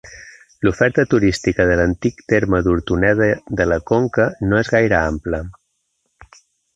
L'oferta turística de l'antic terme d'Hortoneda de la Conca no és gaire ampla.